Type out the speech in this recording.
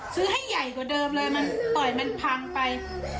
แต่มันพังไป